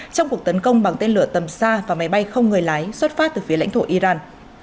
trong cuộc tấn công bằng tên lửa tầm xa và máy bay không người lái xuất phát từ phía lãnh thổ iran